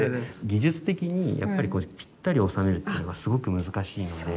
技術的にやっぱりぴったり収めるっていうのがすごく難しいので。